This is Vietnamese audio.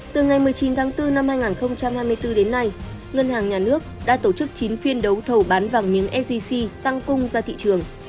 từ ngày một mươi chín tháng bốn năm hai nghìn hai mươi bốn đến nay ngân hàng nhà nước đã tổ chức chín phiên đấu thầu bán vàng miếng sgc tăng cung ra thị trường